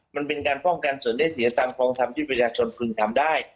มันเป็นการป้องกันส่วนได้เสียตามกองทัพที่ประชาชนพึงทำได้